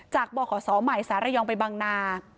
จากบ่อข่อศอใหม่สายระยองไปบางนา